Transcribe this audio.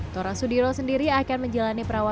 tora sudiro sendiri adalah seorang penyakit yang berpengalaman